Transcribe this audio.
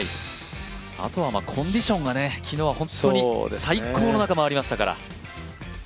あとはコンディションが昨日は本当に最高の中、回りましたから。